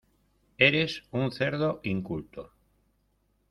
Eres un cerdo inculto.